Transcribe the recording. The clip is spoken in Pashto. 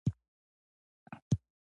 د ښکلا ډولونه